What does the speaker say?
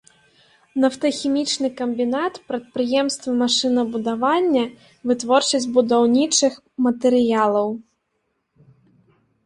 Нафтахімічны камбінат, прадпрыемствы машынабудавання, вытворчасць будаўнічых матэрыялаў.